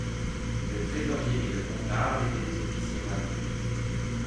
Le trésorier et le comptable étaient des officiers royaux.